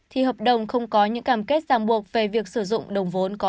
thì hợp đồng không có những cảm kết giang buộc về việc sử dụng đồng vốn có đồng